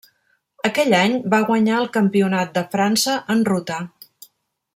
Aquell any va guanyar el Campionat de França en ruta.